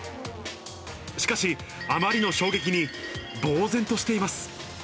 しかし、あまりの衝撃にぼう然としています。